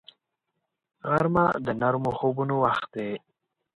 غرمه د نرمو خوبونو وخت دی